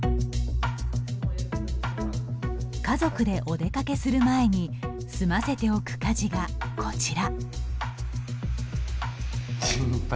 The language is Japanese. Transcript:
家族でお出かけする前に済ませておく家事がこちら。